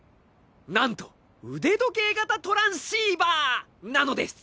何と腕時計型トランシーバーなのです。